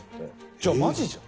じゃあマジじゃん。